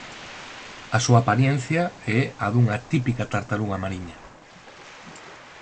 A súa aparencia é a dunha típica tartaruga mariña.